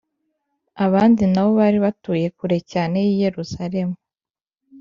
Abandi na bo bari batuye kure cyane y i Yerusalemu